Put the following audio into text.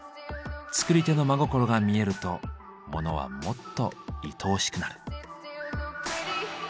作り手の真心が見えるとモノはもっといとおしくなる。